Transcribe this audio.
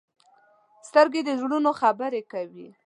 سترګې د زړونو خبرې کوي